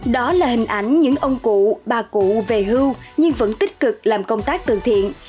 đó là hình ảnh những ông cụ bà cụ về hưu nhưng vẫn tích cực làm công tác từ thiện